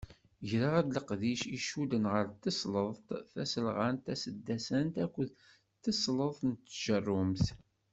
Greɣ-d kra leqdic i icudden ɣer tesleḍt tasnalɣant taseddasant akked tesleḍt n tjerrumt.